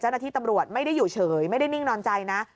เจ้าหน้าที่ตำรวจไม่ได้อยู่เฉยไม่ได้นิ่งนอนใจนะ